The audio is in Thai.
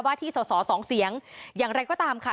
ที่สอสอสองเสียงอย่างไรก็ตามค่ะ